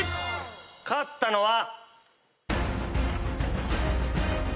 勝ったのは。